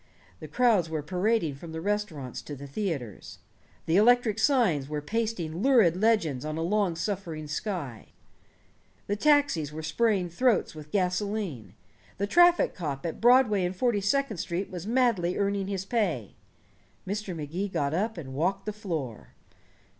The crowds were parading from the restaurants to the theaters. The electric signs were pasting lurid legends on a long suffering sky; the taxis were spraying throats with gasoline; the traffic cop at Broadway and Forty second Street was madly earning his pay. Mr. Magee got up and walked the floor.